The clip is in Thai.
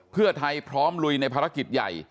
เพื่อไทยพร้อมลุยในภารกิจใหญ่